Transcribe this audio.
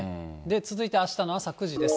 続いてあしたの朝９時です。